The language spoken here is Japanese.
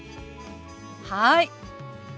はい。